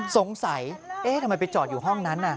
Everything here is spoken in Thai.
สงสัยเอ๊ะทำไมไปจอดอยู่ห้องนั้น